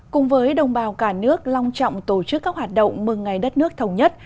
cùng với đồng bào cả nước long trọng tổ chức các hoạt động mừng ngày đất nước thống nhất